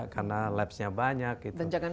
karena lapsnya banyak gitu dan jangan